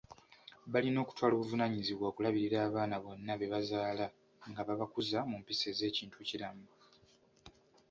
Balina okutwala obuvunaanyizibwa okulabirira abaana bonna be bazaala, nga babakuza mu mpisa ez'ekintu kiramu